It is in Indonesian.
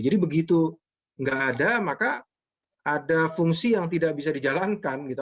jadi begitu nggak ada maka ada fungsi yang tidak bisa dijalankan gitu